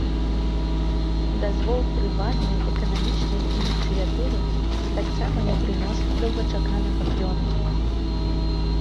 Дазвол прыватнай эканамічнай ініцыятывы таксама не прынёс доўгачаканага плёну.